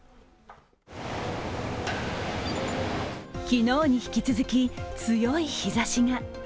昨日に引き続き、強い日ざしが。